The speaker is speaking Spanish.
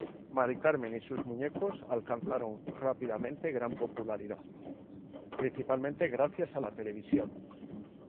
Mary Carmen y sus muñecos alcanzaron rápidamente gran popularidad, principalmente gracias a la televisión.